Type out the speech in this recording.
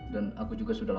dan aku juga sudah lakukan